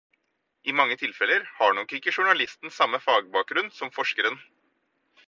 I mange tilfeller har nok ikke journalisten samme fagbakgrunn som forskeren.